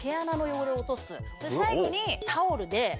最後に。